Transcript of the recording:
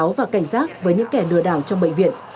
cảnh báo và cảnh giác với những kẻ lừa đảo trong bệnh viện